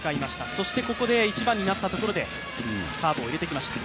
そしてここで１番になったところでカーブを入れてきました。